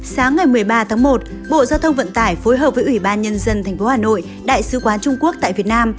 sáng ngày một mươi ba tháng một bộ giao thông vận tải phối hợp với ủy ban nhân dân tp hà nội đại sứ quán trung quốc tại việt nam